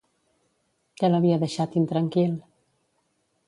Què l'havia deixat intranquil?